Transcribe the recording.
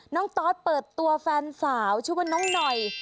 ตอสเปิดตัวแฟนสาวชื่อว่าน้องหน่อย